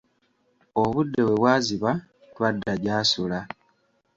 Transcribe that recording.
Obudde we bwaziba twadda gy'asula.